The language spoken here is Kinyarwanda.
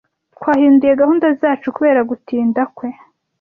Twahinduye gahunda zacu kubera gutinda kwe.